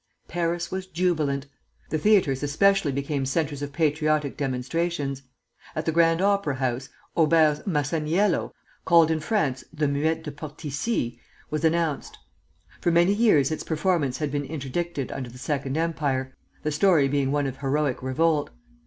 Paris was jubilant. The theatres especially became centres of patriotic demonstrations. At the Grand Opera House, Auber's "Massaniello" (called in France the "Muette de Portici") was announced. For many years its performance had been interdicted under the Second Empire, the story being one of heroic revolt.